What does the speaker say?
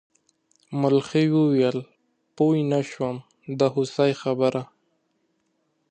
ملخ وویل پوه نه شوم د هوسۍ خبره.